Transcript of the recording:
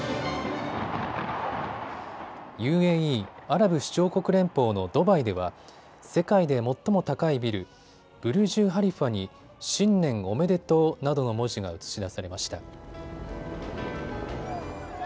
ＵＡＥ・アラブ首長国連邦のドバイでは世界で最も高いビル、ブルジュ・ハリファに新年おめでとうなどの文字が映し出されました。